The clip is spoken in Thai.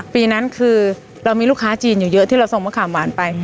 ปีนั้นคือเรามีลูกค้าจีนอยู่เยอะที่เราส่งมะขามหวานไป